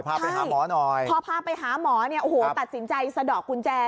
พอพาไปหาหมอตัดสินใจสะดอกกุญแจ